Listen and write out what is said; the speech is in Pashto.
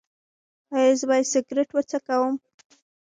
ایا زه باید سګرټ وڅکوم؟